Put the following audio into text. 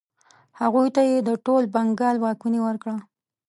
هغوی ته یې د ټول بنګال واکمني ورکړه.